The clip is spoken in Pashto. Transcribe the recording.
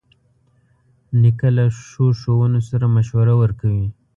نیکه له ښو ښوونو سره مشوره ورکوي.